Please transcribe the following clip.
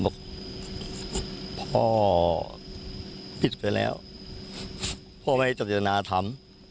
บอกพ่อผิดไปแล้วพ่อไม่ให้จัดยนต์นาธรรม